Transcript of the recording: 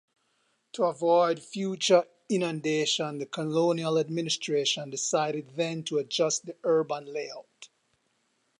To avoid future inundation, the colonial administration decided then to adjust the urban layout.